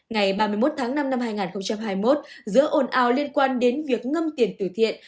ngày ba mươi một tháng năm năm hai nghìn hai mươi một giữa ồn ào liên quan đến việc ngâm tiền tử thiện